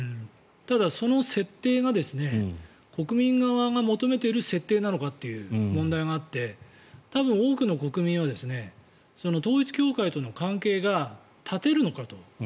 ただ、その設定が国民側が求めている設定なのかという問題があって多分、多くの国民は統一教会との関係が絶てるのかと。